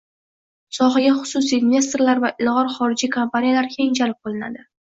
sohaga xususiy investorlar va ilg‘or xorijiy kompaniyalar keng jalb qilinadi.